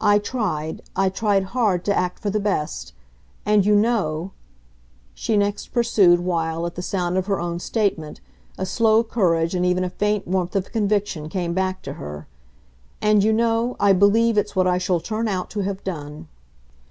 I tried, I tried hard, to act for the best. And, you know," she next pursued, while, at the sound of her own statement, a slow courage and even a faint warmth of conviction came back to her "and, you know, I believe it's what I shall turn out to have done."